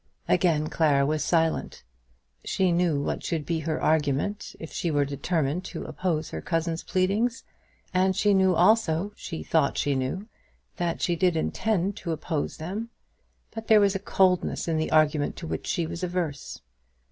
Again Clara was silent. She knew what should be her argument if she were determined to oppose her cousin's pleadings; and she knew also, she thought she knew, that she did intend to oppose them; but there was a coldness in the argument to which she was averse.